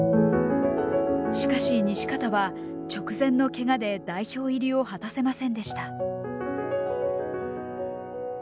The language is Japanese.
しかし西方は直前のけがで代表入りを果たせませんでした。